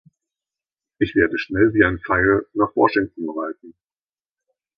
Ich werde schnell wie ein Pfeil nach Washington reiten.